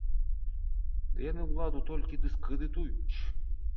Ды яны ўладу толькі дыскрэдытуюць!